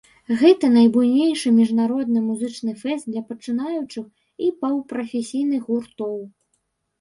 Гэта найбуйнейшы міжнародны музычны фэст для пачынаючых і паўпрафесійных гуртоў.